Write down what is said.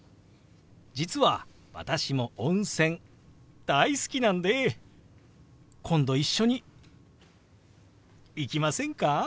実は私も温泉大好きなんで今度一緒に行きませんか？